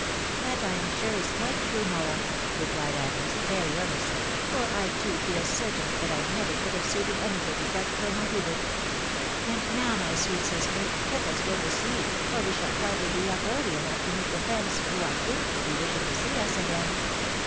" That I am sure is quite true, Nora," replied Agnes, very earnestly ;" for I too feel certain that I never could have suited any body but Colonel Hubert .... And now, my sweet sister. let us go to sleep, or we shall hardly be up early enough to meet the friends who, I think, will be wishing to see us again